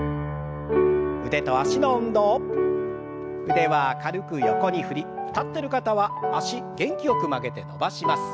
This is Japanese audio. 腕は軽く横に振り立ってる方は脚元気よく曲げて伸ばします。